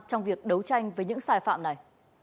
trong việc đấu tranh với những sai phạm này